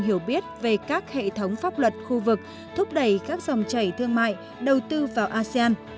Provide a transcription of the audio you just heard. hiểu biết về các hệ thống pháp luật khu vực thúc đẩy các dòng chảy thương mại đầu tư vào asean